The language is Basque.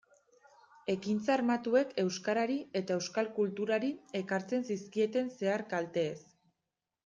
Ekintza armatuek euskarari eta euskal kulturari ekartzen zizkieten zehar-kalteez.